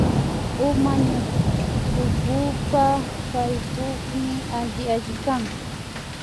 Uma ñutukupa Paykukmi alli alli kan